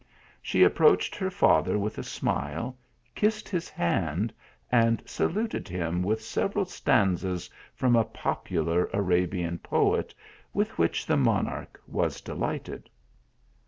She approached her father with a smile, kissed his hand, and saluted him with several stanzas from a popular Arabian poet, with THREE BEAUTIFUL PRINCESSES. 139 which the monarch was delighted.